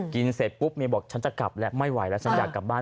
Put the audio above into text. เสร็จปุ๊บเมียบอกฉันจะกลับแล้วไม่ไหวแล้วฉันอยากกลับบ้าน